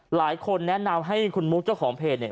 หลายคนแนะนำให้คุณมุกเจ้าของเพจเนี่ย